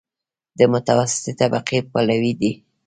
د متوسطې طبقې پلوی دی.